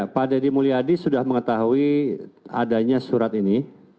pak deddy mulyadi sudah mengetahui adanya surat ini